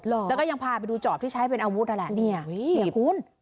แล้วก็ยังพาไปดูจอบที่ใช้เป็นอาวุธนั่นแหละเนี่ยคุณ